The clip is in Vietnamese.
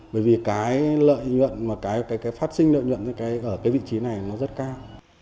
bởi vì cái lợi nhuận mà cái phát sinh lợi nhuận ở cái vị trí này nó rất cao